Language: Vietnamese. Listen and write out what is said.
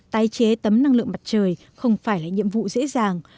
tái chế tấm năng lượng mặt trời không phải là nhiệm vụ dễ dàng